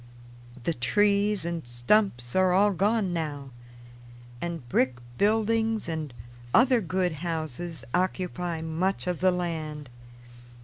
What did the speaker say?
The trees and stumps are all gone now and brick buildings and other good houses occupy much of the land.